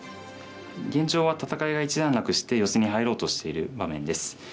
現状は戦いが一段落してヨセに入ろうとしている場面です。